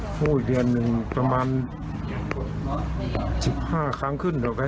พูดเดือนหนึ่งประมาณ๑๕ครั้งขึ้น